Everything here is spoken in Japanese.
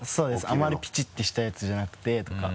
あまりピチッとしたやつじゃなくてとか。